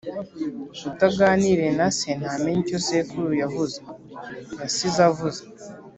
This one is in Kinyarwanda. Utaganiriye na se ntamenya icyo sekuru yavuze (yasize avuze).